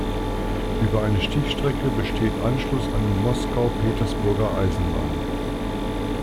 Über eine Stichstrecke besteht Anschluss an die Moskau-Petersburger Eisenbahn.